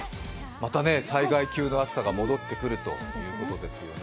また災害級の暑さが戻ってくるということですよね。